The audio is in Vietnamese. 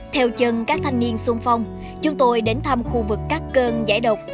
theo chân các thanh niên sung phong chúng tôi đến thăm khu vực các cơn giải độc